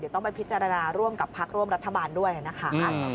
ต้องไปพิจารณาร่วมกับพักร่วมรัฐบาลด้วยนะคะ